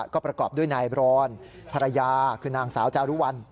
ก็ประกอบด้วยนายบรอนภรรยาคือนางสาวจารุวัล